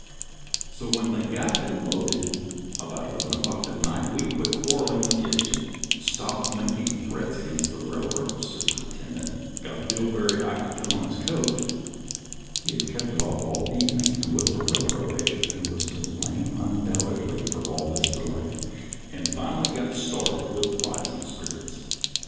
So when they got them loaded, about 11 o'clock that night, we quit quarrelling with the agent, stopped making threats against the railroad superintendent, got Dillbery Ike to put on his coat (he had kept if off all evening to whip the railroad agent who was to blame undoubtedly for all this delay), and finally started, with rising spirits.